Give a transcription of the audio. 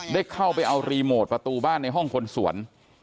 ได้เข้าไปเอารีโมทประตูบ้านในห้องคนสวน